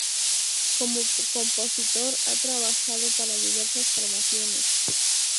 Como compositor ha trabajado para diversas formaciones.